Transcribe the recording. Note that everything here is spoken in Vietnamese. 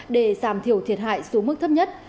để giảm thiểu thiệt hại xuống mức thấp nhất